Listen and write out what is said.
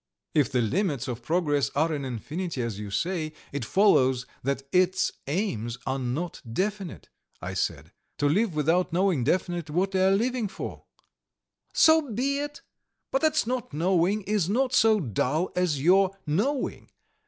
"If the limits of progress are in infinity as you say, it follows that its aims are not definite," I said. "To live without knowing definitely what you are living for!" "So be it! But that 'not knowing' is not so dull as your 'knowing.'